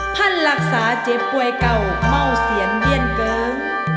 พันธ์หลักษาเจ็บป่วยเก่าเม่าเสียนเบี้ยนเกิง